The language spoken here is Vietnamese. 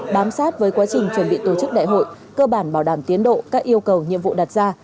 bám sát với quá trình chuẩn bị tổ chức đại hội cơ bản bảo đảm tiến độ các yêu cầu nhiệm vụ đặt ra